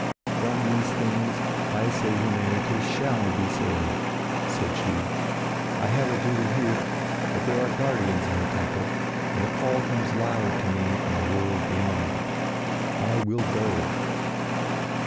"From these things, I say Humanity SHALL be saved!" said she. "I have a duty here, but there are guardians in the Temple, and the call comes loud to me from the world beyond. I will go!"